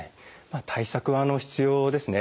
対策は必要ですね。